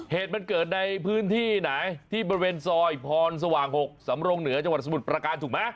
เหตุมันเกิดในพื้นที่ไหนที่บริเวณซอยพรสว่าง๖สำรงเหนือจังหวัดสมุทรประการถูกไหม